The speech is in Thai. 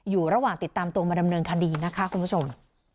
อยู่ระหว่างติดตามตัวมาดำเนินคดีนะคะคุณผู้ชม